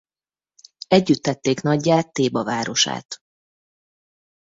Együtt tették naggyá Théba városát.